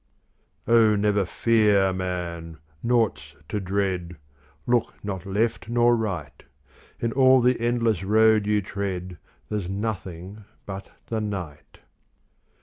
O never fear, man : nought 's to dread, Look not left nor right. In all the endless road you tread There's nothing but the night.